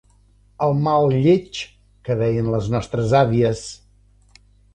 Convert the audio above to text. El mal lleig, que deien les nostres àvies.